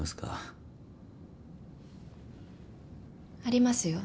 ありますよ。